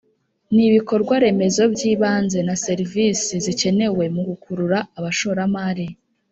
ni ibikorwa remezo by’ibanze na serivisi zikenewe mu gukurura abashoramari